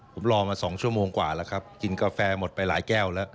ผมรอมา๒ชั่วโมงกว่าแล้วครับกินกาแฟหมดไปหลายแก้วแล้ว